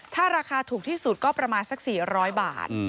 ถ้าราคาถูกที่สุดก็ประมาณสัก๔๐๐บาท